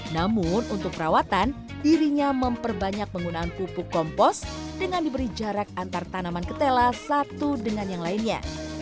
namun untuk perawatan dirinya memperbanyak penggunaan pupuk kompos dengan diberi jarak antar tanaman ketela satu dengan yang lainnya